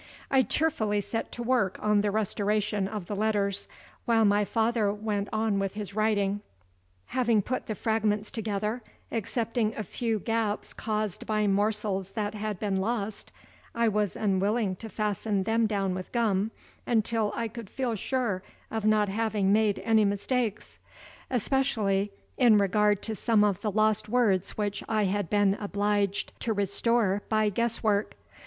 I cheerfully set to work on the restoration of the letters, while my father went on with his writing. Having put the fragments together excepting a few gaps caused by morsels that had been lost I was unwilling to fasten them down with gum, until I could feel sure of not having made any mistakes; especially in regard to some of the lost words which I had been obliged to restore by guess work.